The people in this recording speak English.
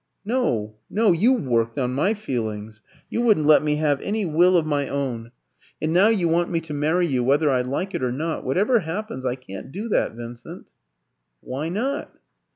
"No, no; you worked on my feelings. You wouldn't let me have any will of my own. And now you want me to marry you whether I like it or not. Whatever happens, I can't do that, Vincent." "Why not?"